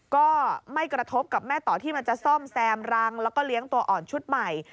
ก็ไม่กระทบกับแม่ต่อที่มันจะซ่อมแซมรังแล้วก็เลี้ยงตัวอ่อนชุดใหม่